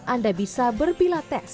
anda bisa berpilates